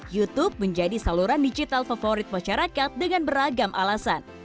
youtube menjadi saluran digital favorit masyarakat dengan beragam alasan